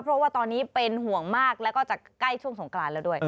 เพราะว่าตอนนี้เป็นห่วงมากแล้วก็จะใกล้ช่วงสงกรานแล้วด้วย